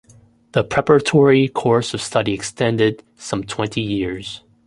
The preparatory course of study extended some twenty years.